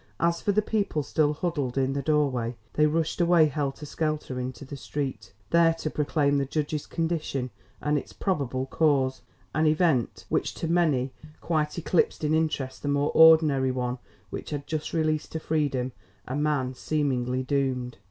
As for the people still huddled in the doorway, they rushed away helter skelter into the street, there to proclaim the judge's condition and its probable cause; an event which to many quite eclipsed in interest the more ordinary one which had just released to freedom a man seemingly doomed.